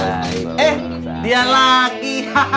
eh dia lagi